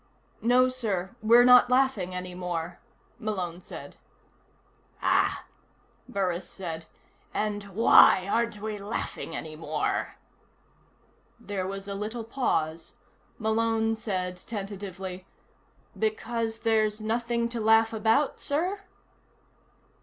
"No, sir, we're not laughing any more," Malone said. "Ah," Burris said. "And why aren't we laughing any more?" There was a little pause. Malone said, tentatively: "Because there's nothing to laugh about, sir?"